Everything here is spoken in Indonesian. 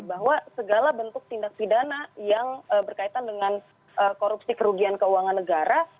bahwa segala bentuk tindak pidana yang berkaitan dengan korupsi kerugian keuangan negara